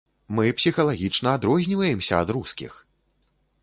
Мы псіхалагічна адрозніваемся ад рускіх!